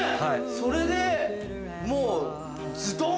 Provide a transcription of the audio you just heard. それでもう。